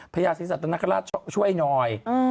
พระยาศิริสัตว์ตระนักฮาราชช่วยหน่อย